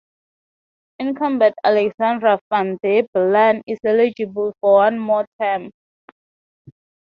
Incumbent Alexander Van der Bellen is eligible for one more term.